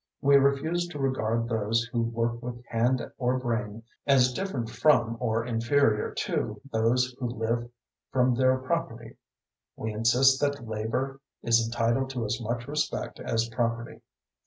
We refuse to regard those who work with hand or brain as different from or inferior to those who live from their property. We insist that labor is entitled to as much respect as property.